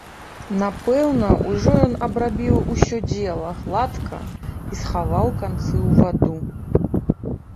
Напэўна, ужо ён абрабіў усё дзела гладка і схаваў канцы ў ваду.